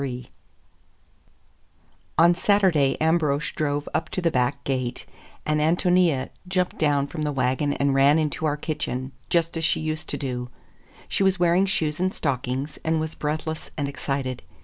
III ON Saturday Ambrosch drove up to the back gate, and Ántonia jumped down from the wagon and ran into our kitchen just as she used to do. She was wearing shoes and stockings, and was breathless and excited.